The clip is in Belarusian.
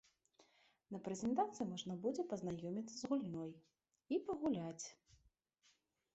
На прэзентацыі можна будзе пазнаёміцца з гульнёй і пагуляць!